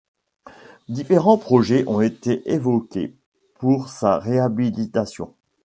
Différents projets ont été évoqués pour sa réhabilitation.